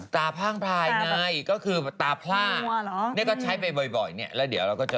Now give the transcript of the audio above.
ตาพ่างภายมันคืออะไร